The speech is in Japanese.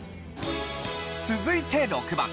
続いて６番。